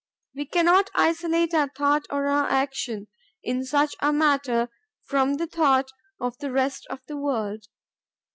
We cannot isolate our thought or our action in such a matter from the thought of the rest of the world.